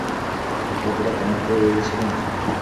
গল্পটা কেমন হবে ভেবেছিলেন?